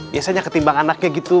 biasanya ketimbang anaknya gitu